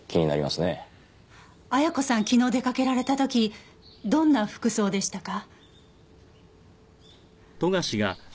昨日出かけられた時どんな服装でしたか？